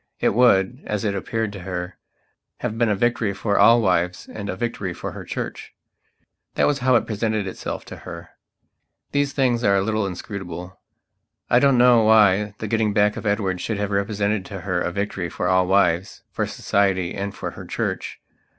It would, as it appeared to her, have been a victory for all wives and a victory for her Church. That was how it presented itself to her. These things are a little inscrutable. I don't know why the getting back of Edward should have represented to her a victory for all wives, for Society and for her Church.